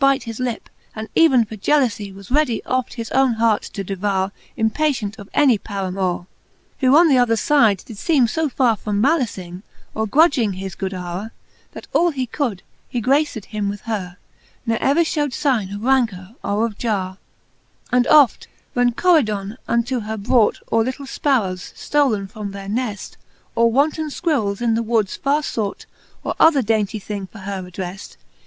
And byte his lip, and even for gealoufie Was readie oft his owne hart to devoure, Impatient of any paramoure: Who on the other fide did feeme fo farre From malicing, or grudging his good houre, That all he could, he graced him with her ; Ne ever Ihewed figne of rancour or of jarre. XL. And oft, when Coridon unto her brought Or litle fparrowes, ftolen from their nefl, Or wanton fquirrels, in the woods farre fought, Or other daintie thing for her addreft.